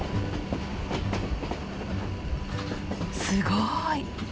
すごい！